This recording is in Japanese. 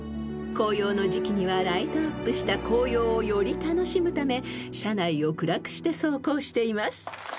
［紅葉の時季にはライトアップした紅葉をより楽しむため車内を暗くして走行しています］